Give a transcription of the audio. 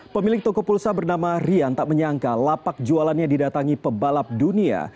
pemilik toko pulsa bernama rian tak menyangka lapak jualannya didatangi pebalap dunia